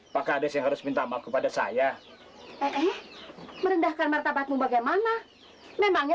maka ada yang harus minta maaf kepada saya merendahkan martabatmu bagaimana memangnya